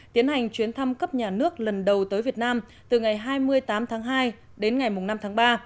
tiến hành chuyến thăm cấp nhà nước lần đầu tới việt nam từ ngày hai mươi tám tháng hai đến ngày năm tháng ba